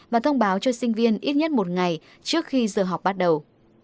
và thông báo cho sinh viên ít nhất một ngày trước khi giờ học bắt đầu